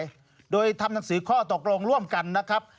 ด้วยโดยทำหนังสือข้อตกลงร่วมกันนะครับ